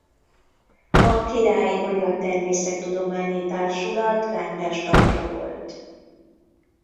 A Királyi Magyar Természettudományi Társulat rendes tagja volt.